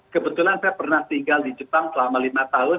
kebetulan saya pernah tinggal di jepang selama lima tahun